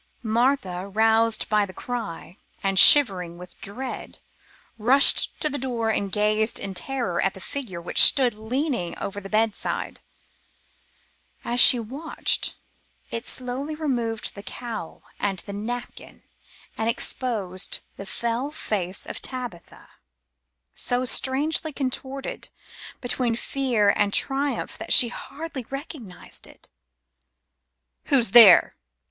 Martha, roused by the cry, and shivering with dread, rushed to the door and gazed in terror at the figure which stood leaning over the bedside. As she watched, it slowly removed the cowl and the napkin and exposed the fell face of Tabitha, so strangely contorted between fear and triumph that she hardly recognized it. "Who's there?"